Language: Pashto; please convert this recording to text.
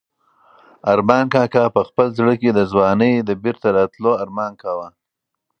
ارمان کاکا په خپل زړه کې د ځوانۍ د بېرته راتلو ارمان کاوه.